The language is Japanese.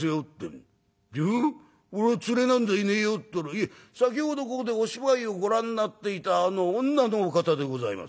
『いえ先ほどここでお芝居をご覧になっていたあの女のお方でございます』